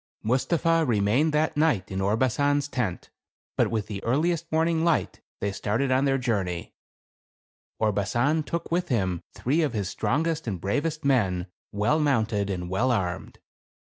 Mustapha remained that night in Orbasan's tent, but with the earliest morning light, they started on their journey " Orbasan took with him three of his strongest and bravest men, well mounted and well armed.